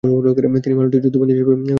তিনি মালটায় যুদ্ধবন্ধী হিসেবে আটক ছিলেন।